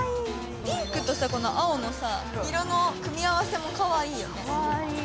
ピンクと青の色の組み合わせもかわいいよね。